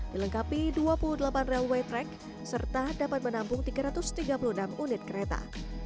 dilengkapi dua puluh delapan railway track serta dapat menampung tiga ratus tiga puluh enam unit kereta